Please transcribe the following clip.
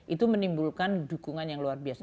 itu menimbulkan dukungan yang luar biasa